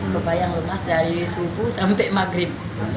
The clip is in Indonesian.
kebayang lemas dari subuh sampai maghrib